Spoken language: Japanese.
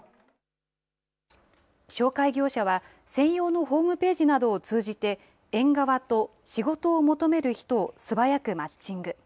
紹介業者は、専用のホームページなどを通じて、園側と仕事を求める人を素早くマッチング。